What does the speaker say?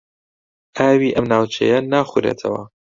ئاوی ئەم ناوچەیە ناخورێتەوە.